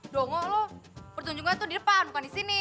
dongo lo pertunjukan tuh di depan bukan di sini